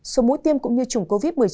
số mũi tiêm cũng như chủng covid một mươi chín